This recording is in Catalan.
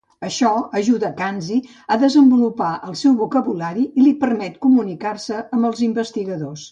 Això ajuda Kanzi a desenvolupar el seu vocabulari i li permet comunicar-se amb els investigadors.